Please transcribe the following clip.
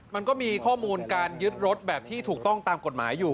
มันก็มีข้อมูลการยึดรถแบบที่ถูกต้องตามกฎหมายอยู่